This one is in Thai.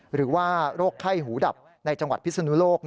หรือว่าโรคไข้หูดับในจังหวัดพิศนุโลก